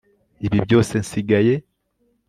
Ibi byose nsigaye